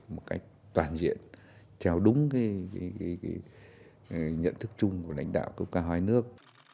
một cách toàn diện theo đúng nhận thức chung của lãnh đạo cơ quan hoài nước